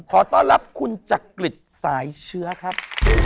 ขอต้อนรับคุณจักริจสายเชื้อครับ